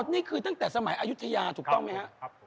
นี่คือตั้งแต่สมัยอายุทยาถูกต้องไหมครับ